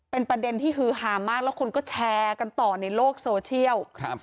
เป็นประเด็นที่ฮือฮามากแล้วคนก็แชร์กันต่อในโลกโซเชียลครับ